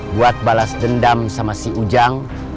buat balas dendam sama si ujang